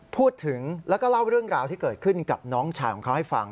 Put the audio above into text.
พูดถึงแล้วก็เล่าเรื่องราวที่เกิดขึ้นกับน้องชายของเขาให้ฟัง